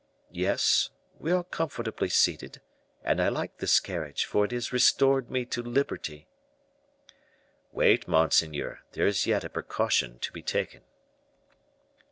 "Yes; we are comfortably seated, and I like this carriage, for it has restored me to liberty." "Wait, monseigneur; there is yet a precaution to be taken."